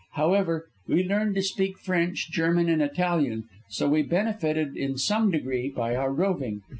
However, we learnt to speak French, German and Italian, so we benefited in some degree by our roving.